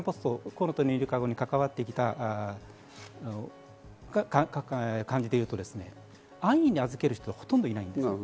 「こうのとりのゆりかご」に関わってきた感じで言うと、安易に預ける人はほとんどいないんです。